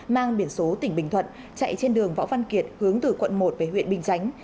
mang biển số tỉnh bình thuận chạy trên đường võ văn kiệt hướng từ quận một về huyện bình chánh